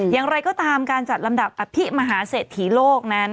อย่างไรก็ตามการจัดลำดับอภิมหาเศรษฐีโลกนั้น